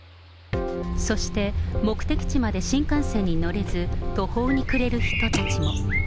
そして目的地まで新幹線に乗れず、途方に暮れる人たちも。